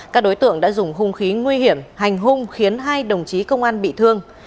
các đối tượng đã dùng hung khí nguy hiểm hành hung khiến hai đồng chí công an bị thương